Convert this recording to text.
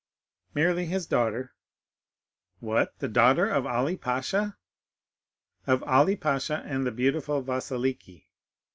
"Merely his daughter." "What? the daughter of Ali Pasha?" "Of Ali Pasha and the beautiful Vasiliki."